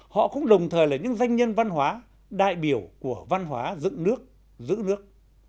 họ cũng đồng thời là những danh nhân văn hóa đại biểu của văn hóa dựng nước giữ nước